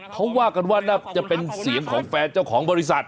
เขาว่ากันว่าน่าจะเป็นเสียงของแฟนเจ้าของบริษัท